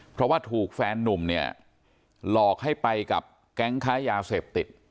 เพราะว่าถูกแฟนนุ่มเนี่ยหลอกให้ไปกับแก๊งค้ายาเสพติด